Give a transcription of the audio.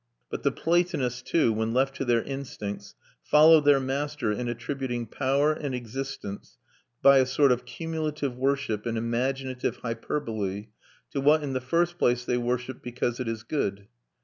But the Platonists, too, when left to their instincts, follow their master in attributing power and existence, by a sort of cumulative worship and imaginative hyperbole, to what in the first place they worship because it is good.